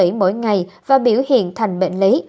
họ không chia sẻ được mỗi ngày và biểu hiện thành bệnh lý